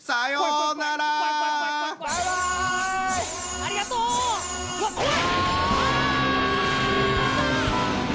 ありがとう！わあ！